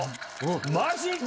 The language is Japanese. マジか⁉